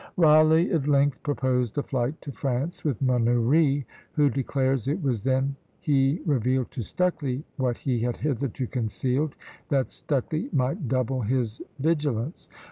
Rawleigh at length proposed a flight to France with Manoury, who declares it was then he revealed to Stucley what he had hitherto concealed, that Stucley might double his vigilance.